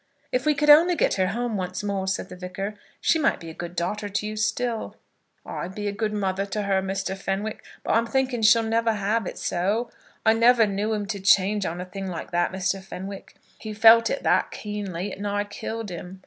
"If we could only get her home once more," said the Vicar, "she might be a good daughter to you still." "I'd be a good mother to her, Mr. Fenwick; but I'm thinking he'll never have it so. I never knew him to change on a thing like that, Mr. Fenwick. He felt it that keenly, it nigh killed 'im.